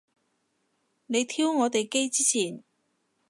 你挑我哋機之前